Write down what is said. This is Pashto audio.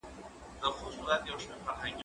زه هره ورځ ږغ اورم،